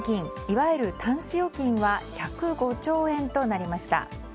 いわゆるタンス預金は１０５兆円となりました。